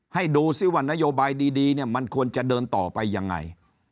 ให้ดูซิว่านโยบายดีเนี่ยมันควรจะเดินต่อไปยังไง